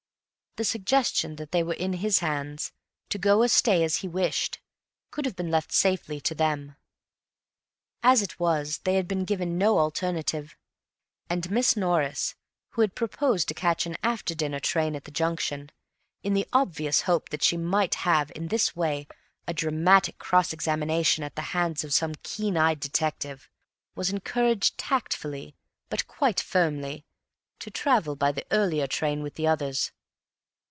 The suggestion that they were in his hands, to go or stay as he wished, could have been left safely to them. As it was, they had been given no alternative, and Miss Norris, who had proposed to catch an after dinner train at the junction, in the obvious hope that she might have in this way a dramatic cross examination at the hands of some keen eyed detective, was encouraged tactfully, but quite firmly, to travel by the earlier train with the others.